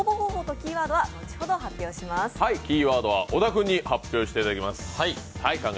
キーワードは小田君に発表していただきます。